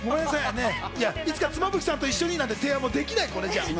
いつか妻夫木さんと一緒になんて提案もできない、これじゃ。